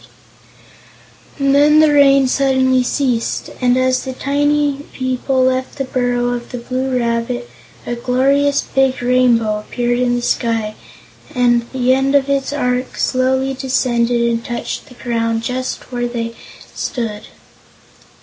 And then the rain suddenly ceased, and as the tiny people left the burrow of the Blue Rabbit, a glorious big Rainbow appeared in the sky and the end of its arch slowly descended and touched the ground just where they stood.